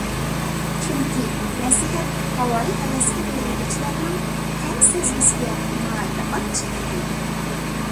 چۈنكى، نەسىھەت ھاۋايى - ھەۋەسكە بېرىلگۈچىلەرنىڭ تەم سەزگۈسىگە ناھايىتى ئاچچىق تېتىيدۇ.